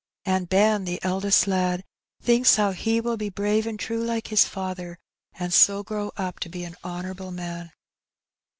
And Ben, the eldest lad, thinks how he will be brave and true like his father, and so grow up to be an honourable man.